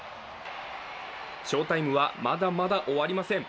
翔タイムはまだまだ終わりません。